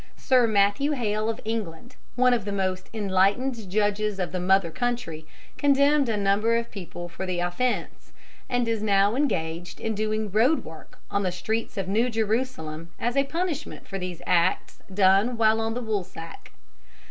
Sir Matthew Hale of England, one of the most enlightened judges of the mother country, condemned a number of people for the offence, and is now engaged in doing road work on the streets of the New Jerusalem as a punishment for these acts done while on the woolsack.